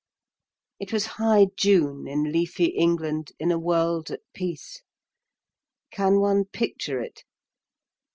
It was high June, in leafy England, in a world at peace. Can one picture it?